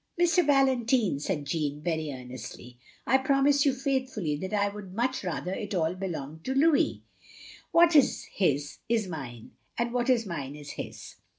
"Mr. Valentine," said Jeanne, very earnestly, "I promise you faithfully that I would much rather it all belonged to Louis. What is his is mine, and what is mine is his.